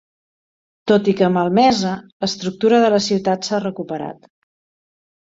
Tot i que malmesa, l'estructura de la ciutat s'ha recuperat.